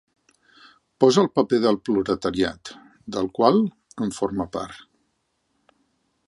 Posa el paper del proletariat, del qual en forma part.